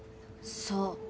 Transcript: そう！